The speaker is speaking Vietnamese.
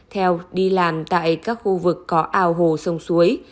theo đi làm tại các khu vực có ao hồ sông suối